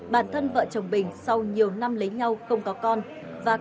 bản thân vợ chồng bình sau nhiều năm lấy nhau không có con